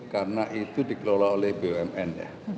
karena itu dikelola oleh bumn